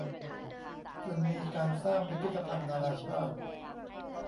จนมีการสร้างพิพิธภัณฑ์นานาชาติ